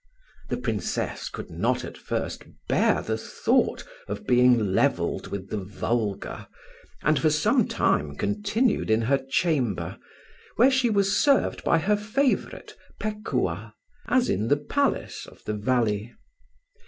The Princess could not at first bear the thought of being levelled with the vulgar, and for some time continued in her chamber, where she was served by her favourite Pekuah, as in the palace of the valley.